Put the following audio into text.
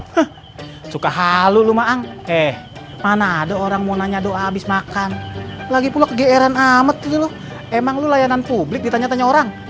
hah suka halu lu maang eh mana ada orang mau nanya doa abis makan lagi pula kegeeran amat gitu loh emang lu layanan publik ditanya tanya orang